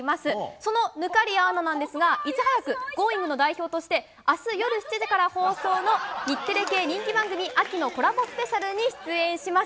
その忽滑谷アナなんですがいち早く「Ｇｏｉｎｇ！」の代表として明日、夜７時から放送の「日テレ系人気番組秋のコラボＳＰ！」に出演します。